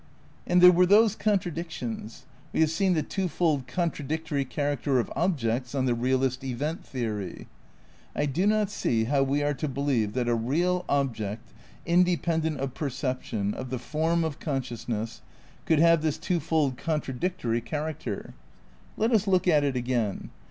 And there were those contradictions. We have seen the twofold contradictory character of objects on the realist event theory. I do not see how we are to believe that a real object, independent of perception, of the form of consciousness, could have this twofold contra dictory character. Let us look at it again.